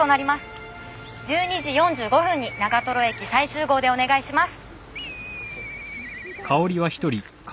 １２時４５分に長駅再集合でお願いします。